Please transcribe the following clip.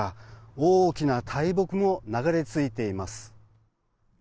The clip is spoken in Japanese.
大きな大木も流れ着いています。